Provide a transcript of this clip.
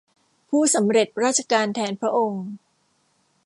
ผู้สำเร็จราชการแทนพระองค์